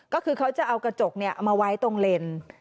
ก็คือเขาจะเอากระจกเอามาไว้ตรงเลน